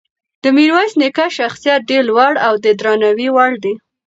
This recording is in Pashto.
د میرویس نیکه شخصیت ډېر لوړ او د درناوي وړ دی.